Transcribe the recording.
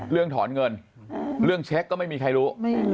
เรื่องถอนเงินเรื่องเช็คก็ไม่มีใครรู้